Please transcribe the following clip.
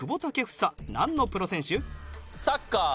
サッカー。